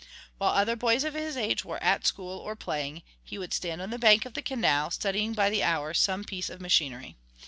While other boys of his age were at school or playing he would stand on the bank of the canal, studying by the hour some piece of machinery.